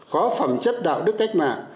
có phẩm chất đạo đức cách mạng